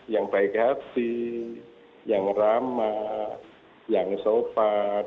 yang baik hati yang ramah yang sopan